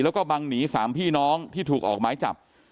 แล้วก็บังหนี๓พี่น้องที่ถูกออกหมายจับ